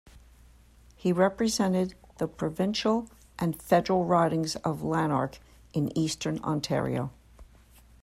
He represented the provincial and federal ridings of Lanark in eastern Ontario.